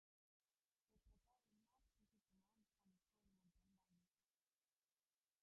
Se trata de un maar del sistema volcánico del monte Albano.